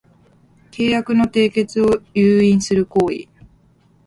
契約の締結を誘引する行為